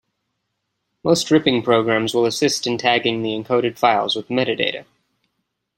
Most ripping programs will assist in tagging the encoded files with metadata.